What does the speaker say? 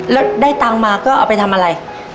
แล้วได้ตังค์มาก็เอาไปทำอะไร